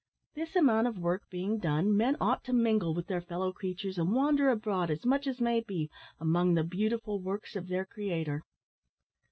This amount of work being done, men ought to mingle with their fellow creatures, and wander abroad as much as may be among the beautiful works of their Creator."